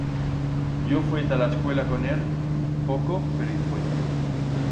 Yo fue ta la escuela con er, poco pero i fue.